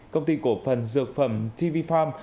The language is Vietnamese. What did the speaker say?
công ty cổ phần dược phẩm tv farm